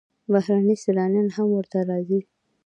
بهرني سیلانیان هم ورته راځي.